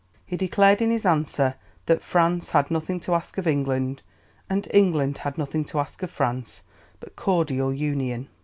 He declared in his answer that "France has nothing to ask of England, and England has nothing to ask of France, but cordial union."